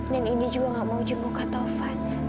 dan indi juga gak mau jenguk kata ofan